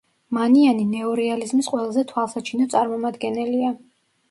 მანიანი ნეორეალიზმის ყველაზე თვალსაჩინო წარმომადგენელია.